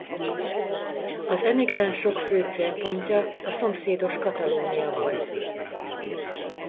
Az emigránsok fő célpontja a szomszédos Katalónia volt.